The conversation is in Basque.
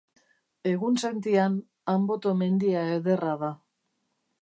Egunsentian Anboto mendia ederra da